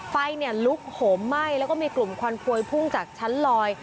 ไฟลุกโหมไหม้แล้วก็มีกลุ่มควันพวยพุ่งจากชั้นลอย